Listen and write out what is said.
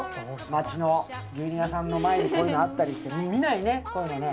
町の牛乳屋さんの前にこういうのあったり見ないね